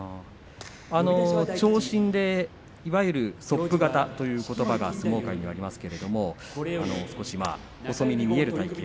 長身で、いわゆるそっぷ型ということばが相撲界にありますけれども少し細身に見える体形